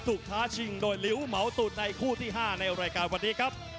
ท้าชิงโดยลิ้วเหมาสูตรในคู่ที่๕ในรายการวันนี้ครับ